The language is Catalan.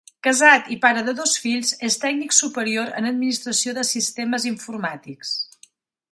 Casat i pare de dos fills, és tècnic superior en Administració de sistemes informàtics.